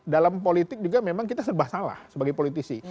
dalam politik juga memang kita serba salah sebagai politisi